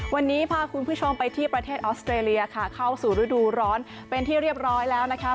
วันนี้พาคุณผู้ชมไปที่ประเทศออสเตรเลียค่ะเข้าสู่ฤดูร้อนเป็นที่เรียบร้อยแล้วนะคะ